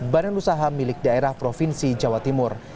badan usaha milik daerah provinsi jawa timur